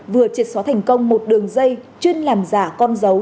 vừa triệt xóa thành công một đường dây chuyên làm giả con dấu